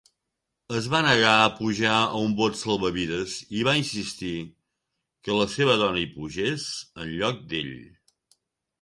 Es va negar a pujar a un bot salvavides i va insistir que la seva dona hi pugés en lloc d'ell.